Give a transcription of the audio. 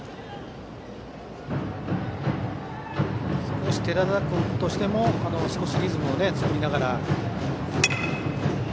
少し寺田君としてもリズムを作りながら。